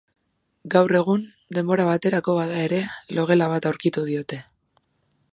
Gaur egun, denbora baterako bada ere, logela bat aurkitu diote.